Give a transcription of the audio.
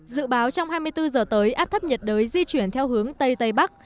dự báo trong hai mươi bốn giờ tới áp thấp nhiệt đới di chuyển theo hướng tây tây bắc